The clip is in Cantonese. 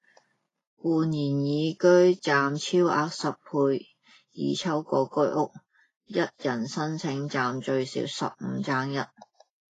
煥然懿居暫超額十倍易抽過居屋一人申請暫最少「十五爭一」